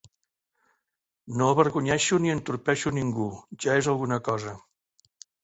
No avergonyeixo ni entorpeixo ningú; ja és alguna cosa.